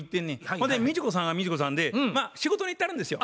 ほんで道子さんは道子さんで仕事に行ってはるんですよ。